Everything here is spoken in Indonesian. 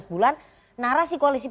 untuk masyarakat indonesia